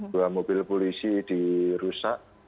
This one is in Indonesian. dua mobil polisi dirusak